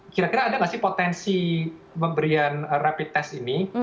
kira kira ada nggak sih potensi pemberian rapid test ini